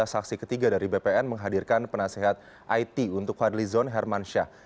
saksi ketiga dari bpn menghadirkan penasehat it untuk kuala lidzon herman shah